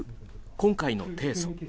今回の提訴。